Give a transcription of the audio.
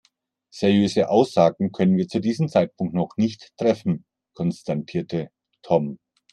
Seriöse Aussagen können wir zu diesem Zeitpunkt noch nicht treffen, konstatierte Tom.